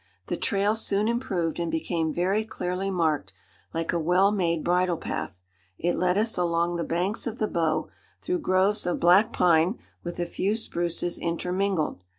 The trail soon improved and became very clearly marked like a well made bridle path. It led us along the banks of the Bow, through groves of black pine, with a few spruces intermingled.